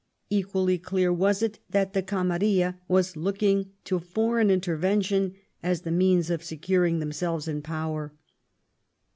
Equally clear was it that the Camarilla were looking to foreign intervention as the means for securing them selves in power.